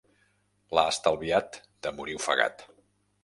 L'ha estalviat de morir ofegat.